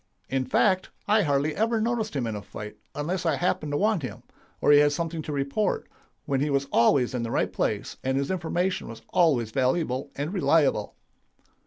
In fact, I hardly ever noticed him in a fight unless I happened to want him, or he had something to report, when he was always in the right place, and his information was always valuable and reliable.